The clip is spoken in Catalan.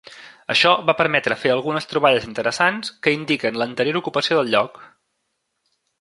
Això va permetre fer algunes troballes interessants que indiquen l'anterior ocupació del lloc.